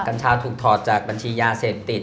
กัญชาถูกถอดจากบัญชียาเสพติด